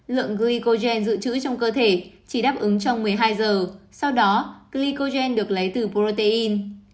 lượng glycogen dự trữ trong cơ thể chỉ đáp ứng trong một mươi hai giờ sau đó clicogen được lấy từ protein